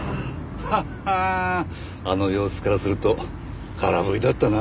ははんあの様子からすると空振りだったな。